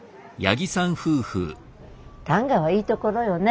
旦過はいいところよね。